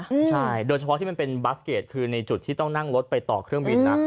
ใช่โดยเฉพาะที่มันเป็นบาสเกจคือในจุดที่ต้องนั่งรถไปต่อเครื่องบินนะ